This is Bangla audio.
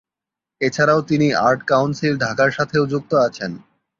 এছাড়াও তিনি আর্ট কাউন্সিল ঢাকার সাথেও যুক্ত আছেন।